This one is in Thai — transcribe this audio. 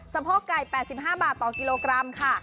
โพกไก่๘๕บาทต่อกิโลกรัมค่ะ